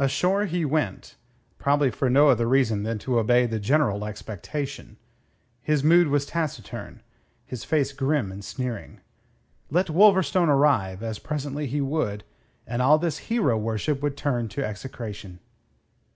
Ashore he went, probably for no other reason than to obey the general expectation. His mood was taciturn; his face grim and sneering. Let Wolverstone arrive, as presently he would, and all this hero worship would turn to execration.